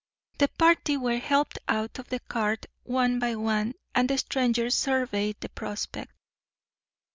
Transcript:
The party were helped out of the cart one by one, and the strangers surveyed the prospect.